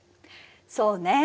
そうね。